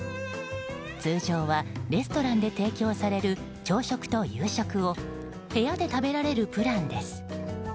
通常はレストランで提供される朝食と夕食を部屋で食べられるプランです。